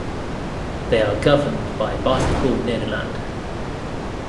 They are governed by Basketball Nederland.